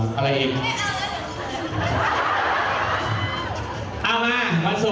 กินที่ฟู้